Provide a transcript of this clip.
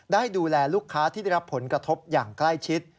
ได้ดูแลลูกค้าที่ได้รับผลกระทบอย่างใกล้ชิด